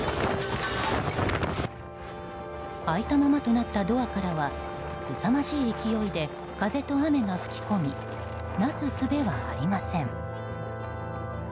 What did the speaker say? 開いたままとなったドアからはすさまじい勢いで風と雨が吹き込みなすすべはありません。